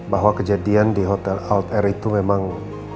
bahwa kejadian di hotel altair itu memang